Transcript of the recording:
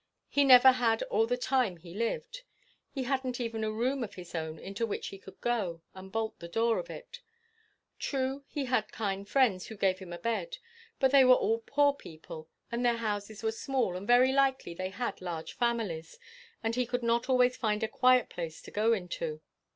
He never had all the time he lived. He hadn't even a room of his own into which he could go, and bolt the door of it. True, he had kind friends, who gave him a bed: but they were all poor people, and their houses were small, and very likely they had large families, and he could not always find a quiet place to go into.